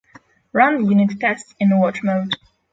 Run unit tests in watch mode